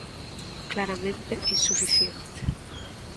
"Claramente insuficiente".